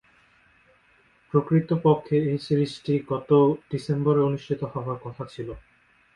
প্রকৃতপক্ষে এ সিরিজটি গত ডিসেম্বরে অনুষ্ঠিত হবার কথা ছিল।